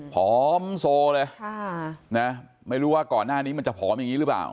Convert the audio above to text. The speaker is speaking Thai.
ผอมโซเลยไม่รู้ว่าก่อนหน้านี้มันจะผอมอย่างนี้หรือเปล่า